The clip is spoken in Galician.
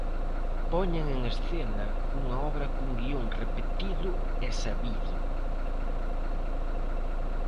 Poñen en escena unha obra cun guión repetido e sabido.